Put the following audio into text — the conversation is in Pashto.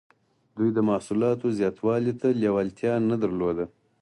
دوی د محصولاتو زیاتوالي ته لیوالتیا نه درلوده.